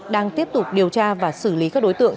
đang tiếp tục điều tra và xử lý các đối tượng